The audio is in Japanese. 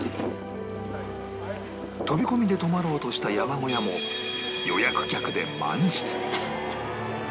飛び込みで泊まろうとした山小屋も予約客で満室